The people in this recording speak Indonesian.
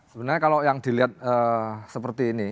sebenarnya kalau yang dilihat seperti ini